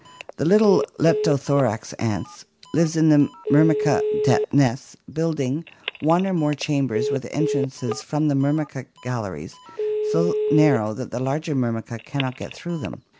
The little Leptothorax ants live in the Myrmica nests, building one or more chambers with entrances from the Myrmica galleries, so narrow that the larger Myrmicas cannot get through them.